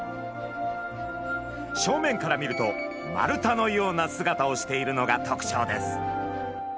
正面から見ると丸太のような姿をしているのがとくちょうです。